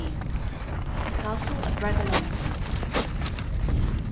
The Castle of Bragelonne.